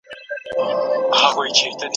څوك به اوري فريادونه د زخميانو